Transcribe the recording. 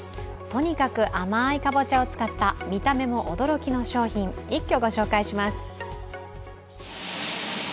とにかく甘いかぼちゃを使った見た目も驚きの商品一挙ご紹介します。